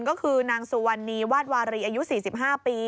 ก็คือนางสุวรรณีวาดวารีอายุ๔๕ปี